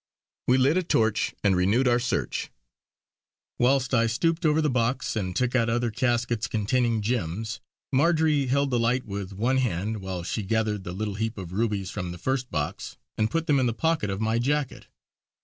We lit a torch and renewed our search. Whilst I stooped over the box and took out other caskets containing gems, Marjory held the light with one hand whilst she gathered the little heap of rubies from the first box and put them in the pocket of my jacket.